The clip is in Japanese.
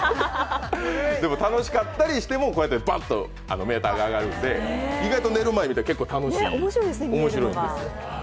でも、楽しかったりしてもばっとメーターが上がるので意外と寝る前に見たら結構楽しい、面白いんです。